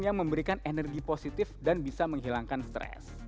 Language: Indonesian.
yang memberikan energi positif dan bisa menghilangkan stres